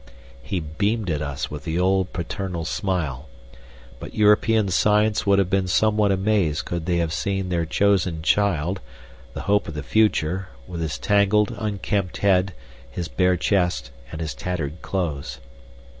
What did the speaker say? He beamed at us with the old paternal smile, but European science would have been somewhat amazed could they have seen their chosen child, the hope of the future, with his tangled, unkempt head, his bare chest, and his tattered clothes.